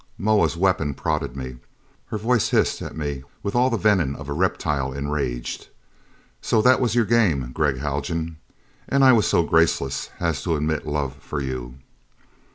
Moa's weapon prodded me. Her voice hissed at me with all the venom of a reptile enraged. "So that was your game, Gregg Haljan! And I was so graceless as to admit love for you!"